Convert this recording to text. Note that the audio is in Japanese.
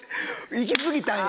行きすぎたんや。